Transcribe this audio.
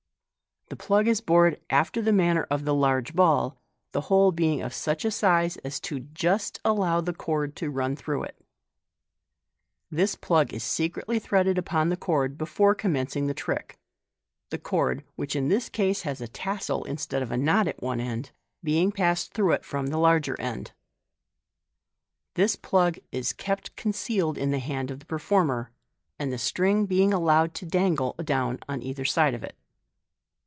The plug is bored after the manner of the large ball, the hole being of such a size as to just allow the cord to run through it. This plug is secretly threaded upon the cord before commencing the trick \ the cord, which in this case has a tassel instead of a knot at one end, being passed through it from the larger end. This plug is kept con Fig. 132. Fig. 133. MODERN MAGIC. 303 cealed in the hand of the performer, the string being allowed to dangle down on each side of it.